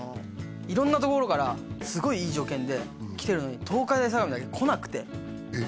色んなところからすごいいい条件で来てるのに東海大相模だけ来なくてえっ？